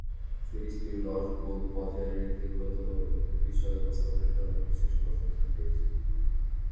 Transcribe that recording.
সিরিজটি রসবোধ বজায় রেখে গুরুতর বিষয় উপস্থাপনের জন্য বিশেষ প্রশংসা পেয়েছে।